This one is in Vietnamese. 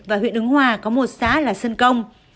và huyện ứng hòa có một xã là sơn công